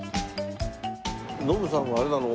信さんはあれなの？